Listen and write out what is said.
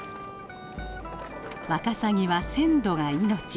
ワカサギは鮮度が命。